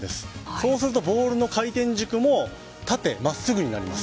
そうすると、ボールの回転軸も縦まっすぐになります。